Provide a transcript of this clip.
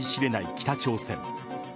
北朝鮮。